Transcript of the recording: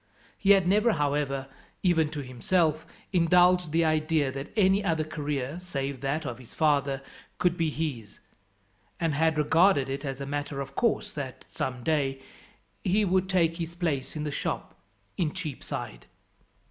He had never, however, even to himself, indulged the idea that any other career, save that of his father, could be his; and had regarded it as a matter of course that, some day, he would take his place in the shop in Cheapside.